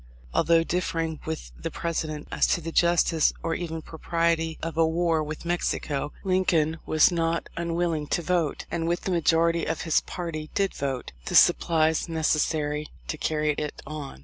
Although differing with the President as to the THE LIFE OF LINCOLN. 277 justice or even propriety of a war with Mexico, Lincoln was not unwilling to vote, and with the majority of his party did vote, the supplies neces sary to carry it on.